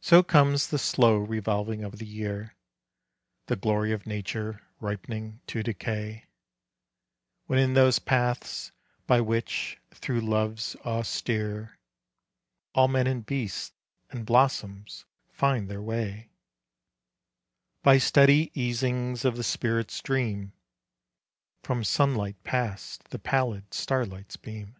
So comes the slow revolving of the year, The glory of nature ripening to decay, When in those paths, by which, through loves austere, All men and beasts and blossoms find their way, By steady easings of the spirit's dream, From sunlight past the pallid starlight's beam.